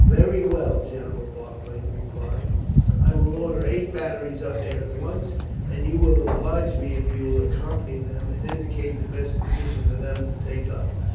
"Very well," General Barclay replied, "I will order eight batteries up there at once, and you will oblige me if you will accompany them and indicate the best position for them to take up.